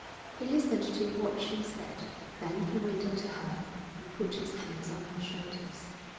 He listened to what she said. Then he went up to her and put his hands on her shoulders.